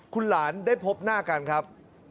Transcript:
คุณหลานได้พบหน้ากันครับ